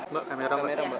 mbak kamera mbak